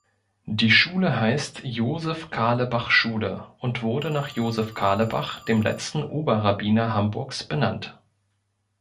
Die Schule heißt Joseph-Carlebach-Schule und wurde nach Joseph Carlebach, dem letzten Oberrabbiner Hamburgs, benannt.